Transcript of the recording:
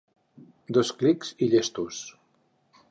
Dos clics i llestos.